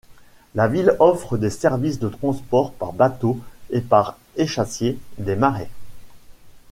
La ville offre des services de transport par bateau et par échassier des marais.